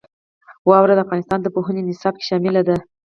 واوره د افغانستان د پوهنې نصاب کې شامل دي.